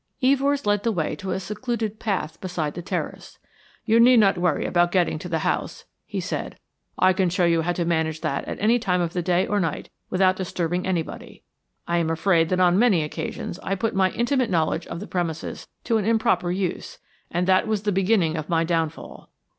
Evors led the way to a secluded path beside the terrace. "You need not worry about getting to the house," he said. "I can show you how to manage that at any time of the day or night without disturbing anybody. I am afraid that on many occasions I put my intimate knowledge of the premises to an improper use, and that was the beginning of my downfall.